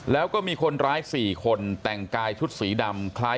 แล้วก็มีคนร้าย๔คนแต่งกายชุดสีดำคล้าย